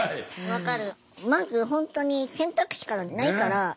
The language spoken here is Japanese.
分かる。